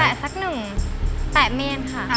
แตะสักหนึ่งแตะเมนค่ะ